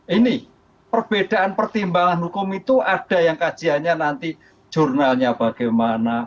ini perbedaan pertimbangan hukum itu ada yang kajiannya nanti jurnalnya bagaimana